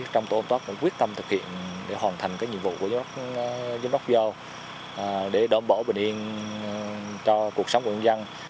tổ công tác cũng quyết tâm thực hiện để hoàn thành nhiệm vụ của nhân đốc do để đón bỏ bình yên cho cuộc sống của dân dân